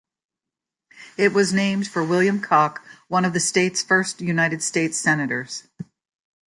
It was named for William Cocke, one of the state's first United States Senators.